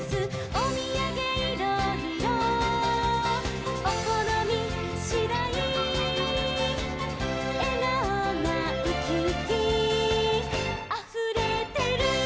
「おみやげいろいろおこのみしだい」「えがおがウキウキあふれてる」